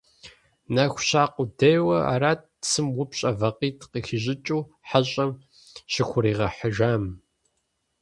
Нэху ща къудейуэ арат цым упщӀэ вакъитӀ къыхищӀыкӀыу хьэщӀэм щыхуригъэхьыжам.